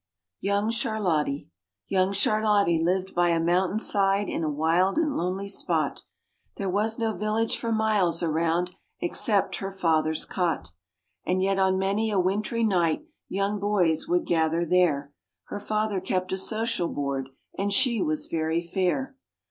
YOUNG CHARLOTTIE Young Charlottie lived by a mountain side in a wild and lonely spot, There was no village for miles around except her father's cot; And yet on many a wintry night young boys would gather there, Her father kept a social board, and she was very fair.